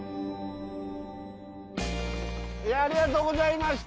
いやありがとうございました。